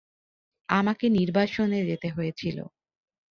আমাকে নির্বাসনে যেতে হয়েছিল।